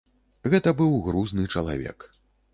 Гэта быў грузны чалавек.